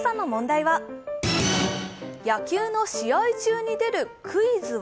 野球の試合中に出るクイズは？